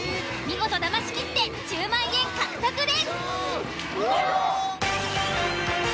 見事だましきって１０万円獲得です。